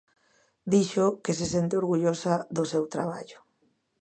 Dixo que se sente orgullosa do seu traballo.